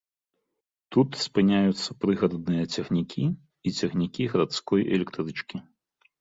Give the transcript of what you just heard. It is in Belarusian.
Тут спыняюцца прыгарадныя цягнікі і цягнікі гарадской электрычкі.